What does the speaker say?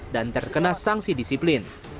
dan terkena sanksi disiplin